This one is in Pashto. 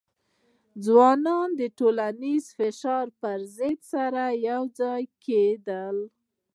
ځوانان به د ټولنیز فشار پر ضد سره یوځای کېدل.